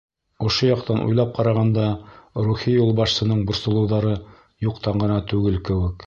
Ошо яҡтан уйлап ҡарағанда рухи юлбашсының борсолоуҙары юҡтан ғына түгел кеүек.